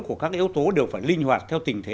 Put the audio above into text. của các yếu tố đều phải linh hoạt theo tình thế